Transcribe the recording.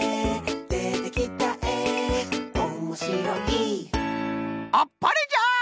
「でてきたえおもしろい」あっぱれじゃ！